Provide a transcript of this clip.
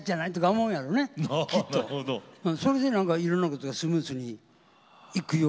それでいろんなことがスムーズにいくように世界中で。